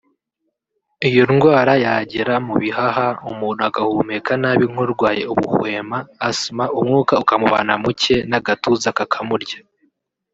iyo ndwara yagera mu bihaha umuntu agahumeka nabi nk’urwaye ubuhwema ( Asthma) umwuka ukamubana muke n’agatuza kakamurya